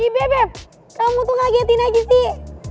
bebe kamu tuh kagetin aja sih